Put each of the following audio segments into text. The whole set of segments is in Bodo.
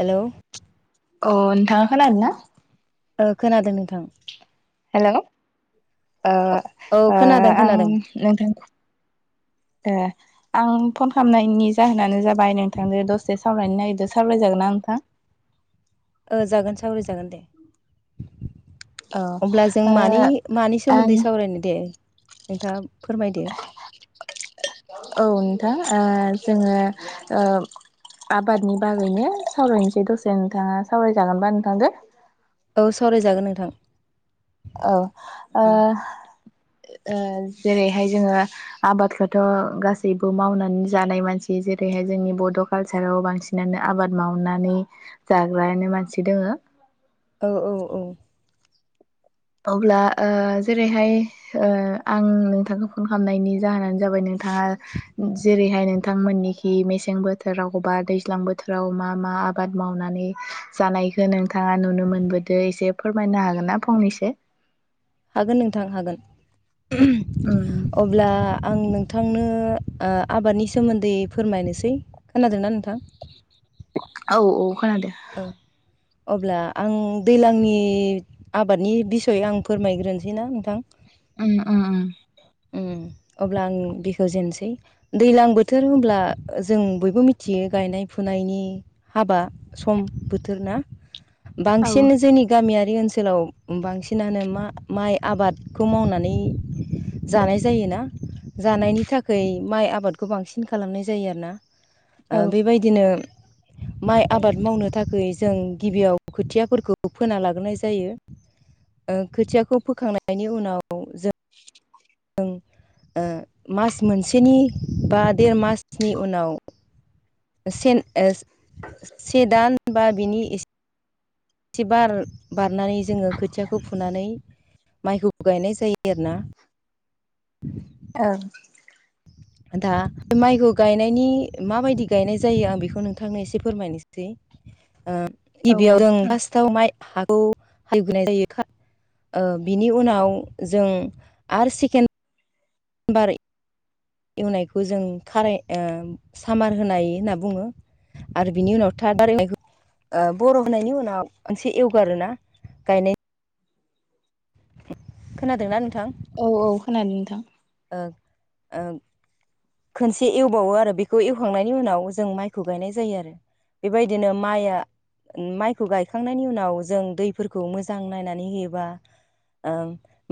हेल' अ नोंथाङा खोनादोंना? ओ-खोनादों नोंथां। हेलौ औ ओ-ओ खोनादों आं खोनादों नोंथां ए आं फन खालामनायनि जाहोनानो जाबाय नोंथांनो दसे सावरायायनो नागिरदों सावरायजागोनना नोंथां? ओ जागोन सावराय जागोन दे। औ ओ अब्ला जों मानि मानि आं सोमोन्दै सावरायनो दे नोंथाङा फोरमायदो औ नोंथां ओ जोङो ओ आबादनि बागैनो सावरायनोसै दसे नोंथाङा सावरायजागोनबा नोंथांदो। औ सावरायजागोन नोंथां। औ ओ जेरैहाय जोङो आबादखौथ' गासैबो मावनानै जानाय मानसि जेरैहाय जोंनि बड' कालसाराव बांसिनानो आबाद मावनानै जाग्रायानो मानसि दङो औ औ औ औ अब्ला ओ जेरैहाय ओ आं नोंथांखौ फन खालामनायनि जाहोनानो जाबाय नोंथाङा जेरैहाय नोंथांमोननिखि मेसें बोथोराव बा दैज्लां बोथोराव मा मा आबाद मावनानै जानायखौ नोंथाङा नुनो मोनबोदों एसे फोरमायनो हागोन ना फंनैसो? हागोन नोंथां हागोन उम अब्ला आं नोंथांनो आबादनि सोमोन्दै फोरमायनोसै। खोनादोंना नोंथां? औ औ खोनादों। औ। अब्ला आं दैज्लांनि आबादनि बिसय आं फोरमायग्रोनोसैना नोंथां। उम उम। अब्ला आं बिखेवजेननोसै दैज्लां बोथोर होनब्ला जों बयबो मिथियो गायनाय फुनायनि हाबा सम बोथोर ना औ बांसिन जोंनि गामियारि ओनसोलाव बांसिनानो मा माइ आबादखौ मावनानै जानाय जायोना जानायनि थाखाय माइ आबादखौ बांसिन खालामनाय जायो आरोना। औ ओं बेबायदिनो माइ आबाद मावनो थाखाय जों गिबियाव खोथियाफोरखौ फोना लाग्रोनाय जायो। खोथियाखौ फोखांनायनि उनाव जों जों मास मोनसेनि बा देर मासनि उनाव सेन से दान बा बिनि एसे से बार बारनानै जोङो खोथियाखौ फुनानै माइखौ गायनाय जायो आरोना। [unintelligible] [inaudible] ओं। दा माइखौ गायनायनि माबायदि गायनाय जायो आं बेखौ नोंथांनो एसे फोरमायनोसै। ओ औ गिबियाव जों फार्स्टआव माइ हाखौ [unintelligible] जायो ओ बिनि उनाव जों आरो सेकेन्द बारै एवनायखौ जों खाराय ओ सामार होनाय होनना बुङो। आरो बिनि उनाव थार्द हालेवनायखौ ओ बर' होनायनि उनाव मोनसे एवगारोना गायनाय खोनादोंना नोंथां? औ औ खोनादों नोंथां। ओ ओ खनसे एवबावो आरो बेखौ एवखांनायनि उनाव जों माइखौ गायनाय जायो आरो। बेबायदिनो माइआ माइखौ गायखांनायनि उनाव जों दैफोरखौ मोजां नायनानै होयोबा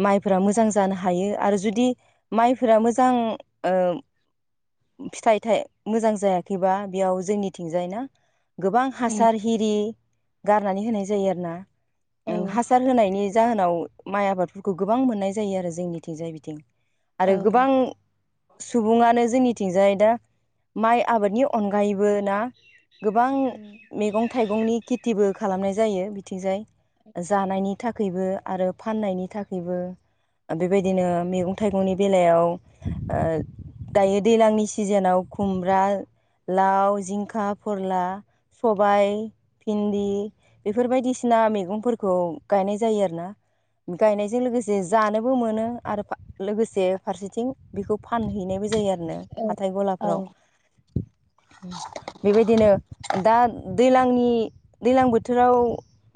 माइफोरा मोजां जानो हायो आरो जुदि माइफोरा मोजां ओ फिथाइ थाइ मोजां जायाखैबा बेयाव जोंनिथिंजाय ना गोबां उम हासार हिरि गारनानै होनाय जायो आरोना। औ उम हासार होनायनि जाहोनाव माइ आबादफोरखौ गोबां मोननाय जायो आरो जोंनिथिंजाय बिथिं। आरो औ उम गोबां सुबुङानो जोंनिथिंजाय दा माइ आबादनि अनगायैबो ना गोबां मेगं थाइगंनि खेथिबो खालामनाय जायो बिथिंजाय। जानायनि थाखैबो आरो फाननायनि थाखैबो ओ बेबायदिनो मैगं थाइगंनि बेलायाव ओ दायो दैज्लांनि सिजोनाव खुमब्रा, लाव, जिंखा, फोरला, सबाय, भिन्दि बेफोर बायदिसिना मेगंफोरखौ गायनाय जायो आरोना। गायनायजों लोगोसे जानोबो मोनो आरो [unintelligible] लोगोसे जे फारसेथिं बेखौ फानहैनायबो जायो आरो नो हाथाय औ गलाफोराव। बेबायदिनो दा दैलांनि दैलां बोथोराव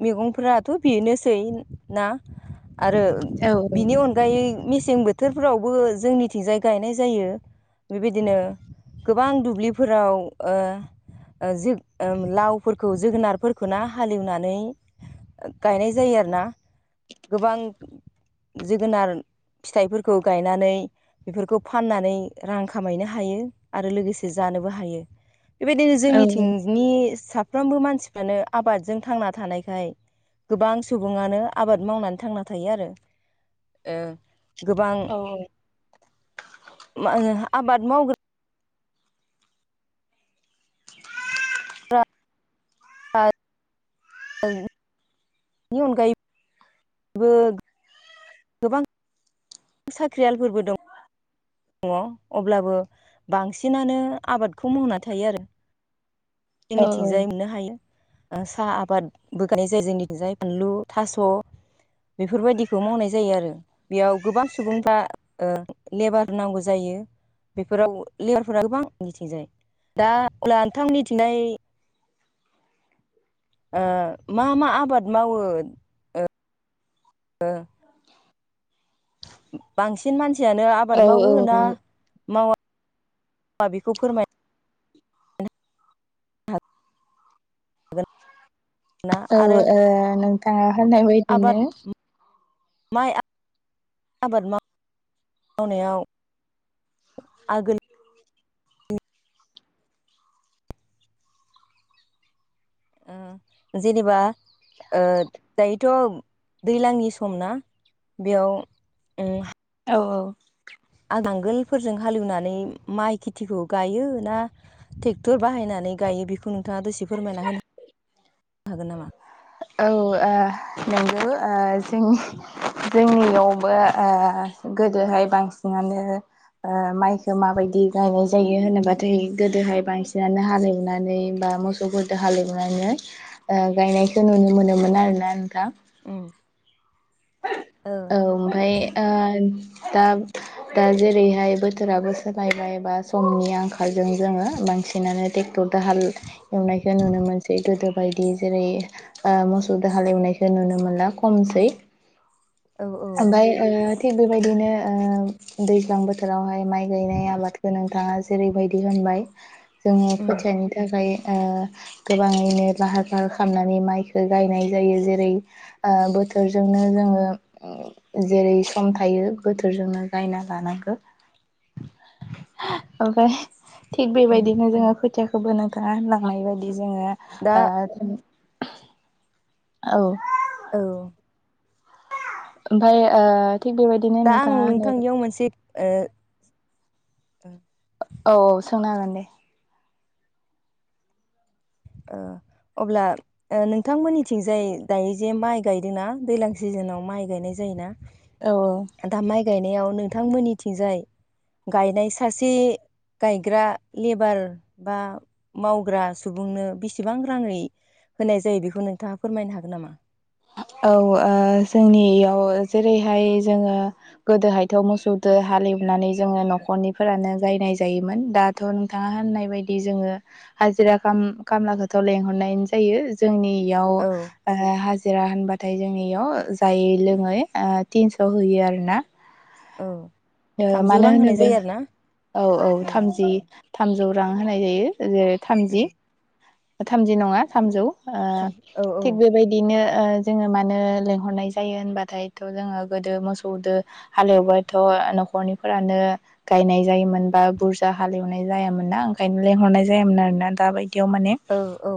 मेगंफोराथ' बेनोसै ना आरो औ बिनि अनगायै मेसें बो थोरफोरावबो जोंनिथिंजाय गायनाय जायो बेबायदिनो। गोबां दुब्लिफोराव ओ ओ जोग ओ लावफोरखौ जोगोनारफोरखौ ना हालेवनानै गायनाय जायो आरोना गोबां जोगोनार फिथाइफोर खौ गायनानै बेफोरखौ फाननानै रां खामायनो हायो आरो लोगोसे जानोबो हायो। बेबायदिनो जोंनिथिंनि साफ्रोमबो मानसिफ्रानो आबादजों थांना थानायखाय गोबां सुबुङानो आबाद मावनानै थांना थायो आरो ओं। गोबां औ [unintelligible] आबाद मावग्रा र [inaudible] ओं नि अनगायै [inaudible] गोबां साख्रियालफोरबो दं दङ अब्लाबो बांसिनानो आबादखौ मावना थायो आरो। एनिथिंजाय मोननो हायो। साहा आबादबो गायनाय जायो जोंनिजाय बानलु, थास' बेफोरबायदिखौ मावनाय जायो आरो बेयाव गोबां सुबुंफ्रा लेबार नांगौ जायो बेफोराव लेयारफोरा गोबां मिथिंजाय दा अब्ला नोंथां मिथिंनाय मा मा आबाद मावो दा [inaudible] बांसिन मानसियानो औ आबाद मावो औ ना औ मावा मावा बेखौ फोरमाय हागोन ना औ आरो ओ नोंथाङा होननाय आबाद बायदिनो। माइ [unintelligible] आबाद मावनायाव आगोल जेनेबा ओ दायोथ' दैज्लांनि सम ना बेयाव उम औ औ। आ नांगोलफोरजों हालेवनानै माइ खेथिखौ गायो ना ट्रेक्टर बाहायनानै गायो बेखौ नोंथाङा दसे फोरमायना होनो ह हागोन नामा औ नंगौ जों जोंनियावबो गोदोहाय बांसिनानो माइखौो माबायदि गायनाय जायो होनोबाथाय गोदोहाय बांसिनानो हालेवनानै बा मोस गोदो हालेवनानै गायनायखौ नुनो मोनोमोन आरोना नोंथां। उम औ। औ ओमफ्राय ओ दा दा जेरैहाय बोथोराबो सोलायबाय बा समनि आंखालजों जोङो बांसिनानो टेक दाहाल एवनायखौ नुनो मोनसै गोदो बायदि जेरै मोसौ दाहाल एवनायखौ नुनो मोनला खमसै औ औ ओमफाय ओ थिग बेबायदिनो ओ दैज्लां बोथोरावहाय, माइ गायनाय आबादखौ नोंथाङा जेरैबायदि होनबाय जोङो उम फोथायनो थाखाय ओ गोबाङैनो लाहार फाहार खालामनानै माइखौ गायनाय जायो जेरै ओ बोथोरजोंनो जोङो। जेरै सम थायो बोथोरजोंनो गायना लानांगौ। ओमफाय थिग उम बेबायदिनो जोङो खोथियाखौबो नोंथाङा लांनाय बायदि जोङो दा ओ। औ औ ओमफाय ओ थिग बेबायदि दा आं नोंथांनियाव मोनसे ओ औ औ सोंनो हागोन दे। औ अब्ला, नोंथांमोननिथिंजाय दायो जे माइ गायदोंना दैज्लां सिजोनाव माइ गायनाय जायोना औ औ दा माइ गायनायाव नोंथां मोननिथिंजाय, गायनाय सासे गायग्रा लेबार बा मावग्रा सुबुंनो बेसेबां राङै होनाय जायो बेखौ नोंथाङा फोरमायनो हागोन नामा। औ ओ जोंनियाव जेरैहाय जोङो गोदोहायथ' मोसौदो हालेवनानै जोङो न'खरनिफोरानो गायनाय जायोमोन दा थ' नोंथाङा होननाय बायदि जोङो हाजिरा खाम-खामलाखौथ' लेंहरनाय जायो जोंनियाव ओ औ हा हाजिरा होनबाथाय जोंनिआव जायै लोङै थिनस' होयो आरोना। औ ओ थामजौ मानो रां होनाय होनोबो जायो आरो ना औ औ उम थामजि उम थामजौ रां होनाय जायो जेरै थामजि उम थामजि नङा थामजौ ओ थाम औ थिग बेबाय बिदिनो ओ जोङो मानो लेंहरनाय जायो होनबाथायथ' जोङो गोदो मोसौदो हालेवबायथ' न'खरनिफोरानो गायनाय जायोमोन बा बुरजा हालेवनाय जायामोन ना ओंखायनो लेंहरनाय जायामोन आरोना दा बायदियाव माने औ औ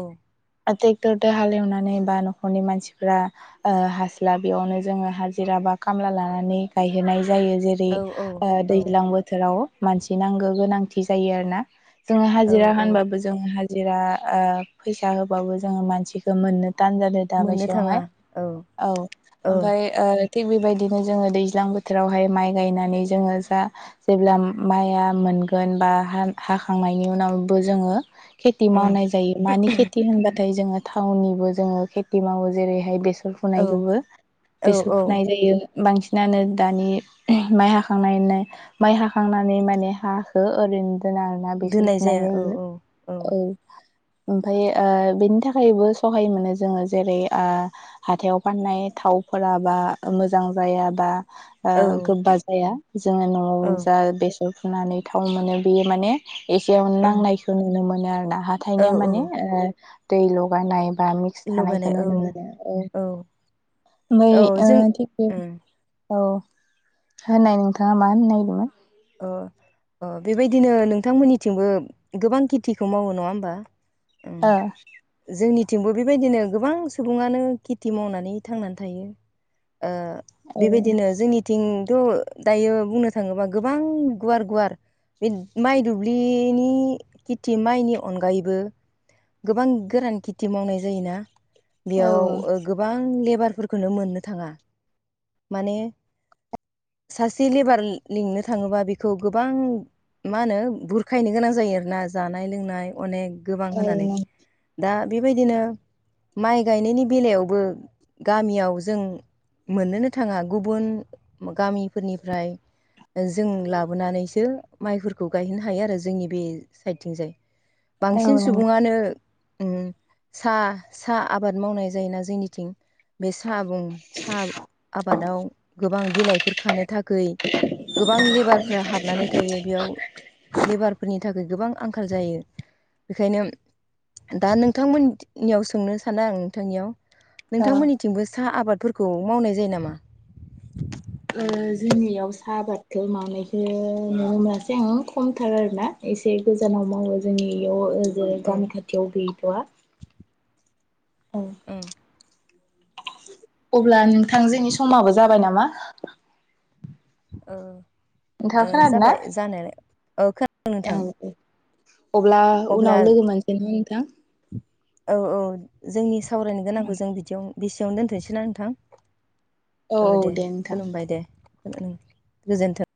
ट्रेक्टरदो हालेवनानै बा न'खरनि मानसिफ्रा ओ हास्लाबियावनो जोङो हाजिरा बा खामला लानानै गायहोनाय जायो जेरै औ औ दैज्लां बोथोराव मानसि नांगौ गोनांथि जायो आरो ना जोङो औ हाजिरा औ होनबाबो जोङो हाजिरा ओ फैसा होबाबो जोङो मानसिखौ मोननो थान जादों दा मोननो थाङा बैसोयावहाय औ औ आमफ्राय ओ थिग बेबायदिनो जोंङो दैज्लां बोथोरावहाय माइ गायनानै जोंङो जा जेब्ला माइआ मोनगोन बा हा- हाखांनायनि उनावबो जोङो खेथि उम मावनाय जायो मानि खेथि होनबा जोङो थाउननिबो जोङो खेथि मावो जेरैहाय बेसर औ फुनायखौबो औ बेसर औ फुनाय जायो बांसिनानो दानि माइ हाखांनायनाय माइ हाखांनानै माने हाखौ ओरैनो दोनां ना बेसर दोननाय फुनाय जाया औ जायो औ औ ओमफाय बेनि थाखायबो सहाय मोनो जोङो जेरै हाथायाव फाननाय थावफोराबा मोजां जायाबा औ गोबा जाया जोङो न'आव औ जा बेसर फुनानै थाव मोनो बेयो माने एसेयाव उम नांनायखौ नुनो मोनो आरो ना औ हाथाइनिया औ माने दै लगा ननायबा आ थानायखौ लगायनाय औ नुनो मोनो औ ओमफ्राय औ जों थिग बे उम औ होननाय नोंथाङा मा होननो नागिरदोंमोन अ बेबायदिनो नोंथांमोननिथिंबो गोबां खेथिखौ मावो नङा होमबा औओ जोंनिथिंबो बेबायदिनो गोबां सुबुङानो खेथि मावनानै थांनानै थायो ओ ए बेबायदिनो जोंनिथिंथ' दायो बुंनो थाङोबा गोबां गुवार गुवार बे माइ दुब्लिनि खेथि माइनि अनगायैबो गोबां गोरान खेथि मावनाय जायोना औ बेयाव गोबां आं लेबारफोरखौनो मोननो थाङा माने सासे लेबार लिंनो थाङोबा बेखौ गोबां मा होनो बुरखायनो गोनां जायो आरोना जानाय लोंनाय अनेक गोबां होनानै नों दा बेबायदिनो माइ गायनायनि बेलायावबो गामियाव जों मोननोनो थाङा गुबुन गामिफोरनिफ्राय जों लाबोनानैसो माइफोरखौ गायहैनो हायो आरो जोंनि बे साइडथिंजाय बांसिन औ नों सुबुङानो सा सा आबाद मावनाय जायोना जोंनिथिं बे साह साहा आबादाव गोबां बिलाइफोर खानो थाखाय [inaudible] गोबां लेबारफ्रा हाबनानै थायो बेयाव लेबारफोरनि थाखाय गोबां आंखाल जायो बेखायनो दा नोंथांमोननियाव सोंनो सानो आं नोंथांनियाव औ नोंथांमोननिथिंबो साहा आबादफोरखौ मावनाय जायो नामा जोंनियाव साहा आबादखौ मावानायखौ नुनो मोनासै आं खमथार आरोोना एसे गोजानाव मावो जोंनि बेयावओ ज औ गामि खाथियाव गैयैथ'आ औ औओ अब्ला नोंथांजोेनि समाबो जाबाय नामा नोंथाङा खोनादों ना जाबाय जानायालाय औ खोनादों नोंथां औ अब्ला अब्ला उनाव लोगो मोनसै ना नोंथां औ औ जोंनि सावरायनो गोनांखौ जों बिदियाव बेसेयावनो दोनथ'सैना नोंथां औ दे खुलुमबाय दे गोजोनथों